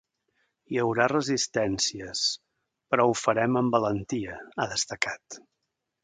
Hi haurà resistències però ho farem amb valentia, ha destacat.